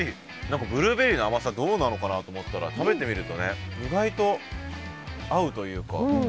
何かブルーベリーの甘さどうなのかなって思ったら食べてみるとね意外と合うというか。